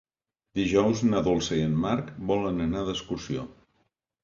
Dijous na Dolça i en Marc volen anar d'excursió.